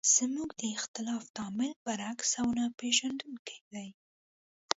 زموږ د اختلاف تعامل برعکس او نه پېژندونکی دی.